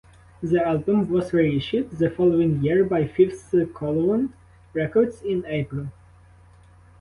The album was reissued the following year by Fifth Colvmn Records in April.